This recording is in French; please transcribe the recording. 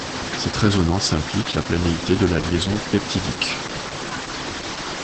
Cette résonance implique la planéité de la liaison peptidique.